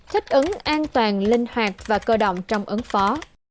thích ứng an toàn linh hoạt và cơ động trong ứng phó